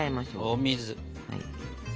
お水。